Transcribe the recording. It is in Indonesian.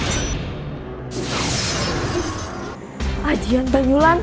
kalawika dan bakawulung